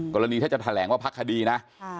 กรณีถ้าจะแถลงว่าพักคดีนะ